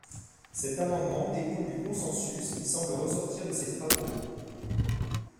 Cet amendement découle du consensus qui semble ressortir de ces travaux.